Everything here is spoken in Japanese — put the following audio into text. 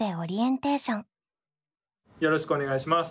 よろしくお願いします。